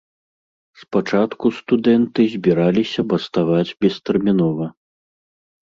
Спачатку студэнты збіраліся баставаць бестэрмінова.